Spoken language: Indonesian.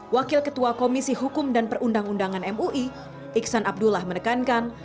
wakil ketua komisi hukum dan perundang undangan mui iksan abdullah menekankan